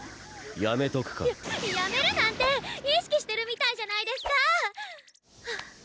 やめとくか？ややめるなんて意識してるみたいじゃないですか